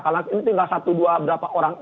karena ini tinggal satu dua berapa orang